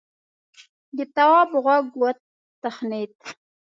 د تواب غوږ وتخڼيد: